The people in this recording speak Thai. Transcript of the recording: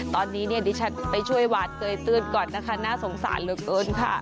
สวัสดีฉันไปช่วยวาดเกยตื่นก่อนนะคะน่าสงสารเหลือเกินค่ะ